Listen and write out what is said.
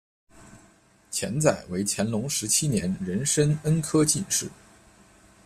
钱载为乾隆十七年壬申恩科进士。